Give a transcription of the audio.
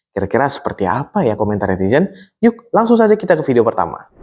kira kira seperti apa ya komentar netizen yuk langsung saja kita ke video pertama